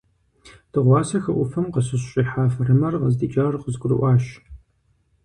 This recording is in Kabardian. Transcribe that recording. Дыгъуасэ хы Ӏуфэм къыщысщӀихьа фырымэр къыздикӀар къызгурыӀуащ.